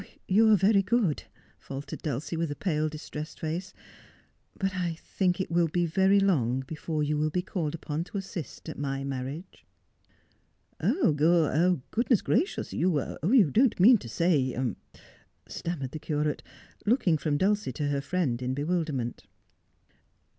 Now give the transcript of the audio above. ' You are very good,' faltered Dulcie, with a pale, distressed face, ' but I think it will be very long before you will be called upon to assist at my marriage.' 'Ger — good gracious, you don't — er— mean to say ' stammered the curate, looking from Dulcie to her friend in bewilderment.